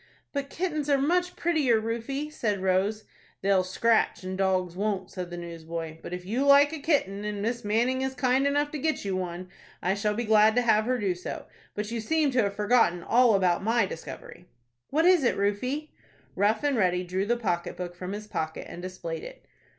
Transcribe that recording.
"But kittens are much prettier, Rufie," said Rose. "They'll scratch, and dogs won't," said the newsboy; "but if you like a kitten, and Miss Manning is kind enough to get you one, I shall be glad to have her do so. But you seem to have forgotten all about my discovery." "What is it, Rufie?" Rough and Ready drew the pocket book from his pocket, and displayed it.